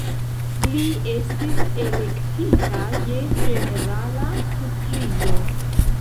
Li estis elektita je ĝenerala surprizo.